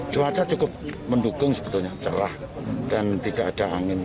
cuaca cukup mendukung sebetulnya celah dan tidak ada angin